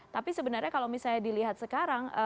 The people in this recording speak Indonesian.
tapi sebenarnya kalau misalnya dilihat sekarang